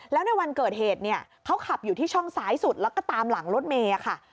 แล้วในวันเกิดเหตุเนี่ยเขาขับอยู่ที่ช่องซ้ายสุดแล้วก็ตามหลังรถเมย์ค่ะ